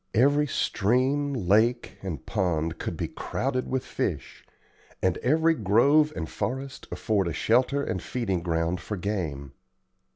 Every stream, lake, and pond could be crowded with fish, and every grove and forest afford a shelter and feeding ground for game.